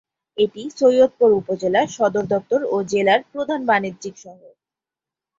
এটি সৈয়দপুর উপজেলার সদরদপ্তর ও জেলার প্রধান বাণিজ্যিক শহর।